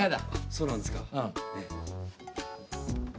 そうなんですか。